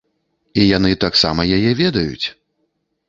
І яны таксама яе ведаюць!